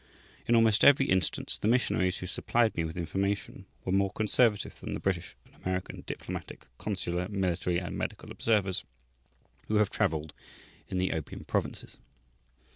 In almost every instance the missionaries who supplied me with information were more conservative than the British and American diplomatic, consular, military, and medical observers who have travelled in the opium provinces.